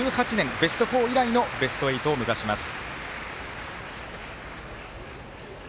ベスト４以来のベスト８を目指します。